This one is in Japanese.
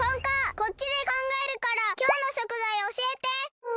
こっちでかんがえるからきょうの食材おしえて！